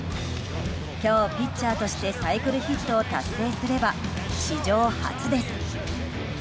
今日、ピッチャーとしてサイクルヒットを達成すれば史上初です。